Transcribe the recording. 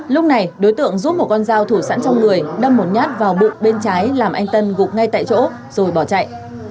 lúc này đối tượng giúp một con dao thủ sẵn trong người đâm một nhát vào bụng bên trái làm anh tân gục ngay tại chỗ rồi bỏ chạy